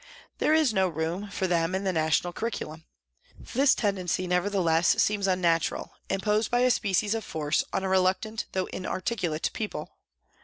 There is no room for them in the national curriculum. This tendency, nevertheless, seems unnatural, imposed by a species of force on a reluctant though inarticulate people.